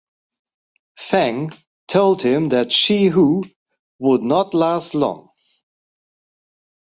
Feng told him that Shi Hu would not last long.